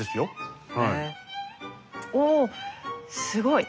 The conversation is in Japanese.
おすごい。